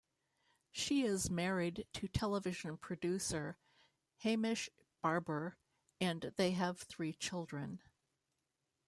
She is married to television producer Hamish Barbour and they have three children.